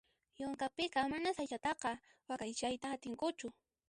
Yunkapiqa manas aychataqa waqaychayta atinkuchu.